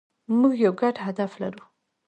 موږ یو ګډ هدف لرو.